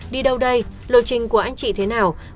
đi đâu đây lộ trình của anh chị thế nào